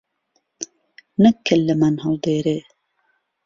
نەک کهللهمان ههڵدێرێ